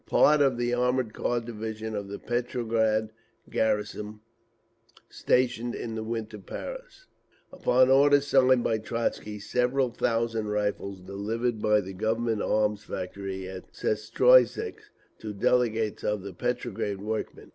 Part of the Armoured Car Division of the Petrograd garrism stationed in the Winter Palace. Upon orders signed by Trotzky, several thousand rifles delivered by the Government Arms Factory at Sestroretzk to delegates of the Petrograd workmen.